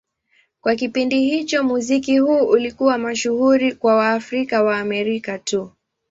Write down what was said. Kwa kipindi hicho, muziki huu ulikuwa mashuhuri kwa Waafrika-Waamerika tu.